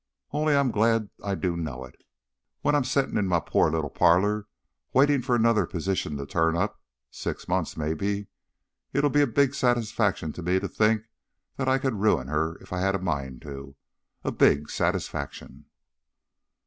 Only I'm just glad I do know it. When I'm settin' in my poor little parlor waitin' for another position to turn up six months, mebbe it'll be a big satisfaction to me to think that I could ruin her if I had a mind to a big satisfaction."